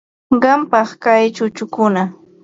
Qampam kay chukukuna.